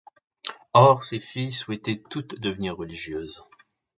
Or ses filles souhaitaient toutes devenir religieuses.